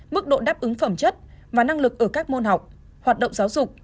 mức độ đáp ứng phẩm chất và năng lực ở các môn học hoạt động giáo dục